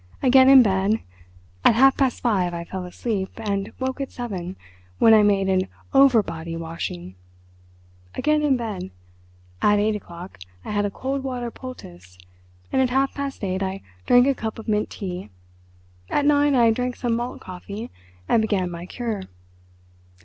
Again in bed. At half past five I fell asleep, and woke at seven, when I made an 'overbody' washing! Again in bed. At eight o'clock I had a cold water poultice, and at half past eight I drank a cup of mint tea. At nine I drank some malt coffee, and began my 'cure.